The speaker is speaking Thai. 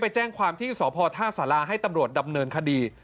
แจ้งความที่สพท่าสาราให้ตำรวจดำเนินคดี